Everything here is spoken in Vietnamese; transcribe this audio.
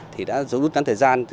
thì đã giữ đúng đắn thời gian